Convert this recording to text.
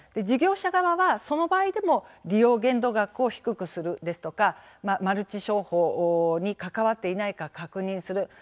事業者側はその場合でも利用限度額を低くするですとかマルチ商法に関わっていないか確認する。